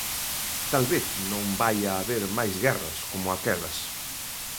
Talvez non vaia haber máis guerras como aquelas.